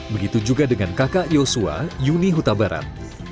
begitu juga dengan kakak yosua yuni hutabarat